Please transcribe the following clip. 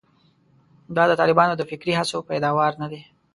دا د طالبانو د فکري هڅو پیداوار نه دي.